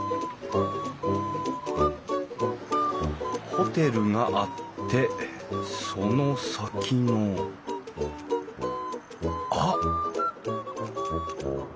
ホテルがあってその先のあっ！